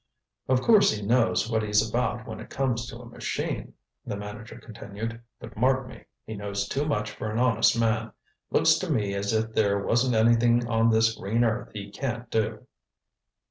"Of course he knows what he's about when it comes to a machine," the manager continued, "but mark me, he knows too much for an honest man. Looks to me as if there wasn't anything on this green earth he can't do."